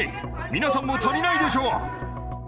皆さんも足りないでしょう！